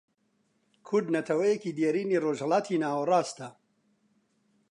کورد نەتەوەیەکی دێرینی ڕۆژهەڵاتی ناوەڕاستە